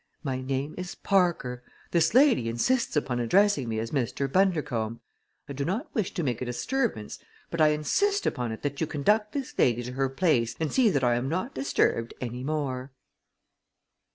My name is Parker! This lady insists upon addressing me as Mr. Bundercombe. I do not wish to make a disturbance, but I insist upon it that you conduct this lady to her place and see that I am not disturbed any more."